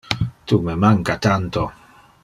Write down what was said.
Tu me manca tanto.